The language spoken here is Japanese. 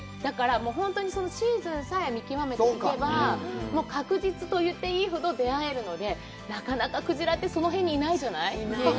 本当にシーズンさえ見きわめて行けば、確実と言っていいほど出会えるので、なかなか鯨ってその辺にいないじゃない？